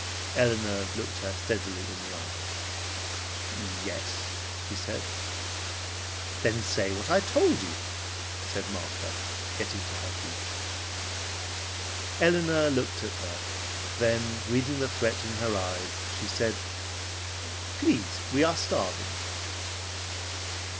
Elinor looked her steadily in the eyes. "Yes," she said. "Then say what I told you," said Martha, getting to her feet. Elinor looked at her, then reading the threat in her eyes, she said, "Please, we are starving."